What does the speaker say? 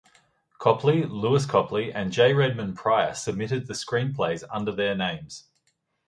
Copley, Lewis Copley, and J. Redmond Prior, submitted the screenplays under their names.